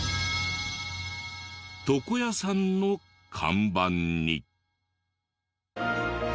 床屋さんの看板に。